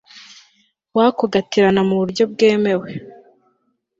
wako gaterana mu buryo bwemewe